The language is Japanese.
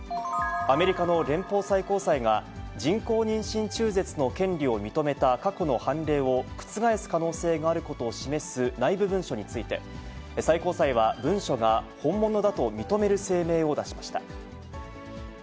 アメリカの連邦最高裁が、人工妊娠中絶の権利を認めた過去の判例を、覆す可能性があることを示す内部文書について、最高裁は文書が本物だと認める声明を出しました。